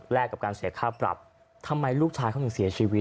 กับการเสียค่าปรับทำไมลูกชายเขาถึงเสียชีวิต